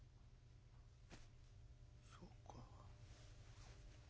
「そうか。